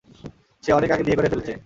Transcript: সে অনেক আগে বিয়ে করে ফেলছে।